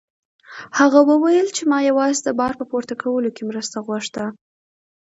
هغه وویل چې ما یوازې د بار په پورته کولو کې مرسته غوښته.